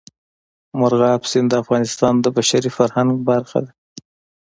مورغاب سیند د افغانستان د بشري فرهنګ برخه ده.